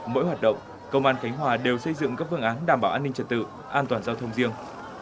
mỗi hoạt động công an khánh hòa đều xây dựng các phương án đảm bảo an ninh trật tự an toàn giao thông riêng